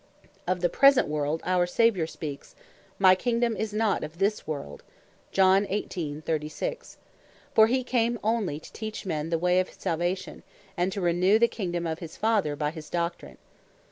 Of the present World, our Saviour speaks (John 18.36.) "My Kingdome is not of this World." For he came onely to teach men the way of Salvation, and to renew the Kingdome of his Father, by his doctrine.